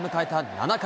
７回。